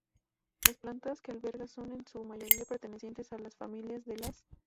Las plantas que alberga son en su mayoría pertenecientes a las familias de las